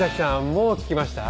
もう聞きました？